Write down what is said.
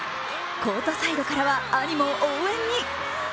コートサイドからは兄も応援に。